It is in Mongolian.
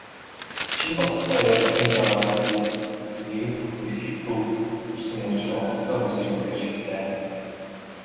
Чинбаттай ярилцсаны дараа бид нэгэнт "Нислэг" төвд ирсэн учир онгоцоор нисэж үзэхээр шийдлээ.